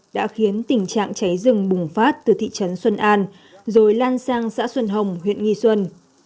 đã khiến tình trạng cháy rừng bùng phát từ thị trấn xuân an rồi lan sang xã xuân hồng huyện nghi xuân